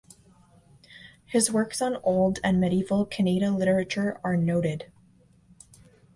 His works on Old and Medieval Kannada literature are noted.